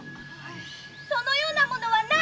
そのようなものはない。